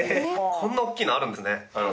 こんな大きいのあるんですね。